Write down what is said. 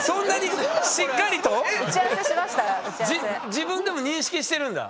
自分でも認識してるんだ。